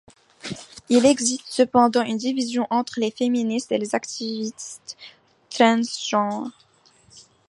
Il existe cependant une division entre les féministes et les activistes transgenres.